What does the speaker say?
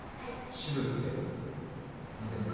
詩舞って何ですか？